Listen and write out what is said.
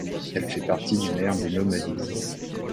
Elle fait partie d'une aire de nomadisme.